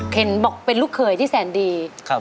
เขนบอกเป็นลูกเคยที่แซนดีครับ